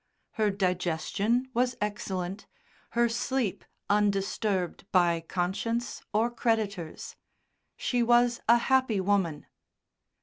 Her digestion was excellent, her sleep undisturbed by conscience or creditors. She was a happy woman.